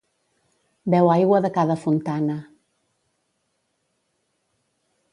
Beu aigua de cada fontana.